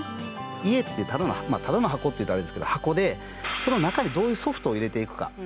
家ってただの箱って言ったらあれですけど箱でその中にどういうソフトを入れていくか。